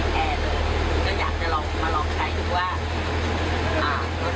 ที่เห็นรถสองแถวติดแอร์สายนี้ก็ถ่ายรูปไปแล้วนะครับ